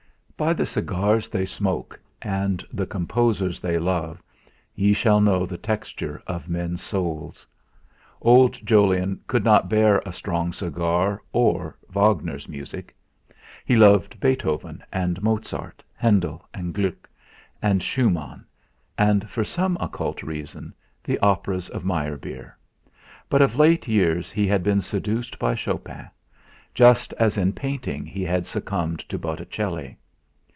By the cigars they smoke, and the composers they love, ye shall know the texture of men's souls. Old Jolyon could not bear a strong cigar or Wagner's music. He loved Beethoven and Mozart, Handel and Gluck, and Schumann, and, for some occult reason, the operas of Meyerbeer; but of late years he had been seduced by Chopin, just as in painting he had succumbed to Botticelli.